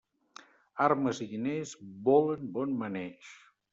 Armes i diners, volen bon maneig.